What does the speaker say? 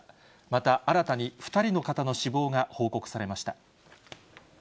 また、新たに２人の方の死亡が報告されました。